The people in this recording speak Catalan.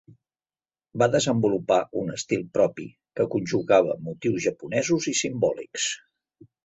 Va desenvolupar un estil propi que conjugava motius javanesos i simbòlics.